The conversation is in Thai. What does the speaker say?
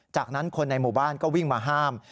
จากนั้นคนในหมู่บ้านก็วิ่งมาห้าม